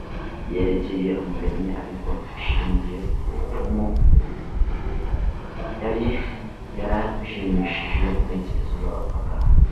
yerekeye umuremyi ariko ishingiye ku bupfumu yari yarijimishije intekerezo z'abapagani